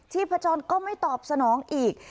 ที่ผจญก็ไม่ตอบสนองอีก